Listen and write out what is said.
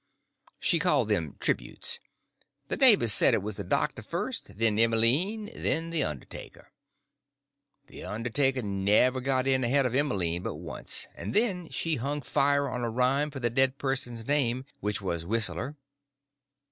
She called them tributes. The neighbors said it was the doctor first, then Emmeline, then the undertaker—the undertaker never got in ahead of Emmeline but once, and then she hung fire on a rhyme for the dead person's name, which was Whistler.